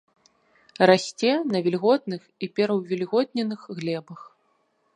Расце на вільготных і пераўвільготненых глебах.